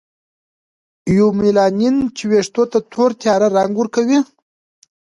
یومیلانین چې ویښتو ته تور تیاره رنګ ورکوي.